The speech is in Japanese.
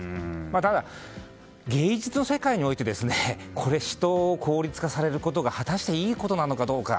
ただ、芸術の世界において効率化されることが果たして、いいことかどうか。